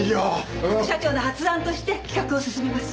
副社長の発案として企画を進めます。